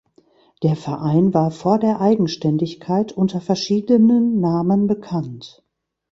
Der Verein war vor der Eigenständigkeit unter verschiedenen Namen bekannt.